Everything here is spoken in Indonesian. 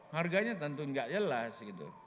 harganya tentu enggak jelas